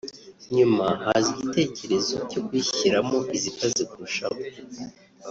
nyuma haza igitekerezo cyo kuyishyiramo izikaze kurushaho